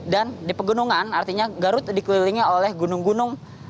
dan di pegunungan artinya garut dikelilingi oleh gunung gunung